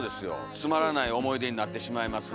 「つまらない思い出になってしまいます」なんて。